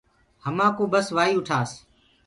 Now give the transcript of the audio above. همآ ڪوُ بس ڪوآ اُٺاس۔